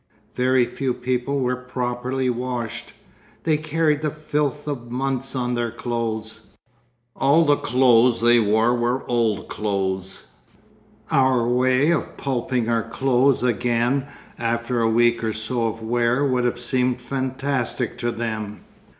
Very few people were properly washed; they carried the filth of months on their clothes. All the clothes they wore were old clothes; our way of pulping our clothes again after a week or so of wear would have seemed fantastic to them.